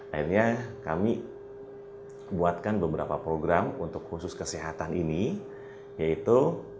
akhirnya kami buatkan beberapa program untuk khusus kesehatan ini yaitu